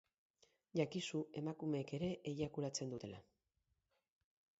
Jakizu emakumeek ere eiakulatzen dutela.